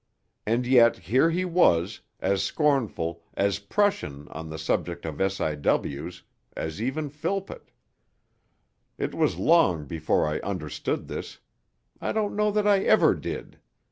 And yet here he was, as scornful, as Prussian, on the subject of S.I.W.'s as even Philpott. It was long before I understood this I don't know that I ever did.